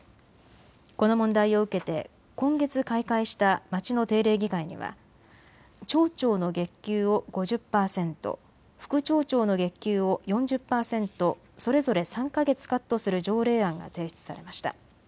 この問題を受けて今月開会した町の定例議会には町長の月給を５０％、副町長の月給を４０％、それぞれ３か月カットする条例案が提出されました。